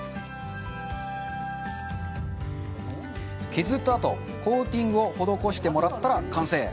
削ったあと、コーティングを施してもらったら完成。